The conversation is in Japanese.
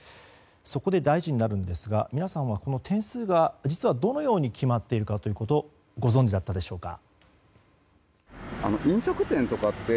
そこで大事になるんですが皆さんはこの点数が実はどのように決まっているかということご存じだったでしょうか。